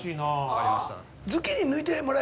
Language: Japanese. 分かりました。